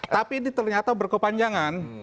tapi ini ternyata berkepanjangan